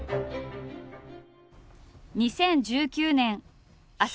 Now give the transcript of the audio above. ２０１９年朝